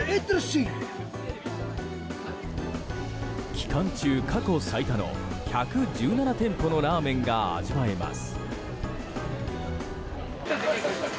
期間中過去最多の１１７店舗のラーメンが味わえます。